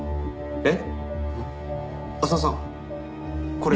えっ？